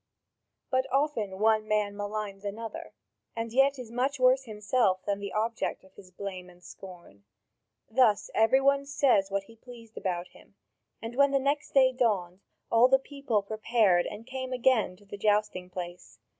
But often one man maligns another, and yet is much worse himself than the object of his blame and scorn. Thus, every one said what he pleased about him. And when the next day dawned, all the people prepared and came again to the jousting place.